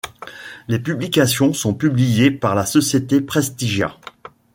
Les publications sont publiées par la société Prestigia.